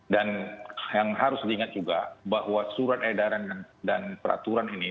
dan yang harus diingat juga bahwa surat edaran dan peraturan ini